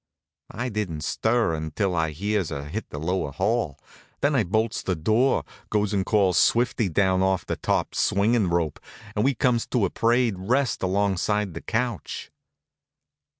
I didn't stir until I hears her hit the lower hall. Then I bolts the door, goes and calls Swifty down off the top of the swingin' rope, and we comes to a parade rest alongside the couch.